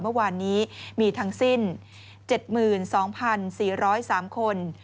เมื่อวานนี้มีทั้งสิ้น๗๒๔๐๓คน